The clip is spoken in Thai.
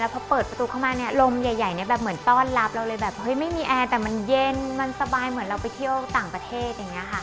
พอเปิดประตูเข้ามาเนี่ยลมใหญ่เนี่ยแบบเหมือนต้อนรับเราเลยแบบเฮ้ยไม่มีแอร์แต่มันเย็นมันสบายเหมือนเราไปเที่ยวต่างประเทศอย่างนี้ค่ะ